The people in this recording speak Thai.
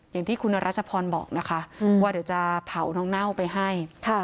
อย่างที่คุณรัชพรบอกนะคะว่าเดี๋ยวจะเผาน้องเน่าไปให้